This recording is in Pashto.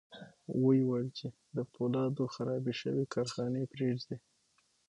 ويې ويل چې د پولادو خرابې شوې کارخانې پرېږدي.